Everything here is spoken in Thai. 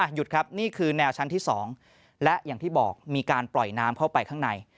หยุดครับนี่คือแนวชั้นที่๒และอย่างที่บอกมีการปล่อยน้ำเข้าไปข้างใน